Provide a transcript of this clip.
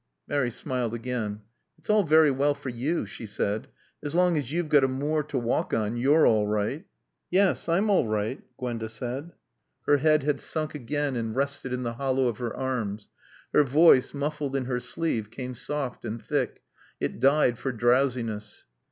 Mary smiled again. "It's all very well for you," she said. "As long as you've got a moor to walk on you're all right." "Yes. I'm all right," Gwenda said. Her head had sunk again and rested in the hollow of her arms. Her voice, muffled in her sleeve, came soft and thick. It died for drowsiness.